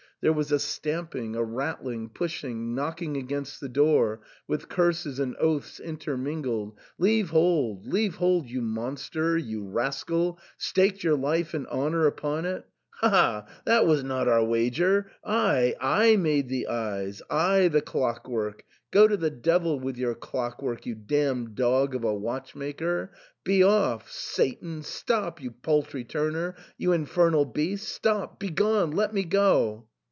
There was a stamping — a rattling — pushing — knocking against the door, with curses and oaths intermingled. "Leave hold — leave hold — you monster — you rascal — staked your life and honour upon it ?— Ha ! ha ! ha ! ha !— That was not our wager — I, I made the eyes — I the clock work. — Go to the devil with your clock' work — you damned dog of a watch maker — be off — Satan — stop — you paltry turner — you infernal beast !— stop — begone — let me go."